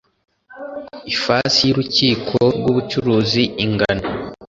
ifasi y urukiko rw ubucuruzi ingana